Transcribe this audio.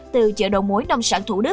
từ chợ đầu mối nông sản chủ